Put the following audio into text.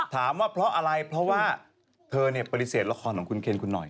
ถามว่าเพราะอะไรเพราะว่าเธอปฏิเสธละครของคุณเคนคุณหน่อย